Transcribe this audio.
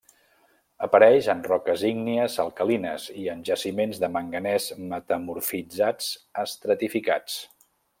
Apareix en roques ígnies alcalines i en jaciments de manganès metamorfitzats estratificats.